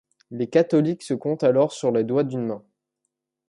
Les catholiques se comptent alors sur les doigts d'une main.